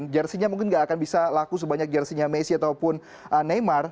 jersinya mungkin gak akan bisa laku sebanyak jersinya messi ataupun neymar